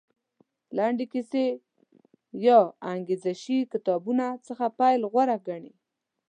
لنډې کیسې یا انګېزه شي کتابونو څخه پیل غوره وګڼي.